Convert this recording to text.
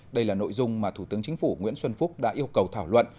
đây là nội dung mà thủ tướng chính phủ nguyễn xuân phúc đã yêu cầu thảo luận